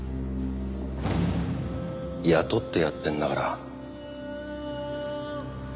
雇ってやってんだから。